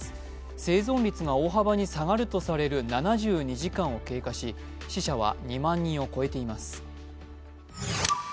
生存率が大幅に下がるとされる７２時間を経過し死者は２万人を超えています。